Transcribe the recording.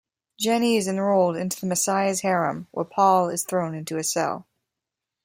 Jenny is enrolled into the Messiah's harem while Paul is thrown in a cell.